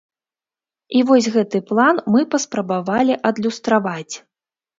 І вось гэты план мы паспрабавалі адлюстраваць.